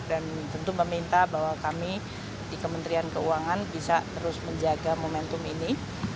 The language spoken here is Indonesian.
dan tentu meminta bahwa kami di kementerian keuangan bisa terus menjaga momentum ini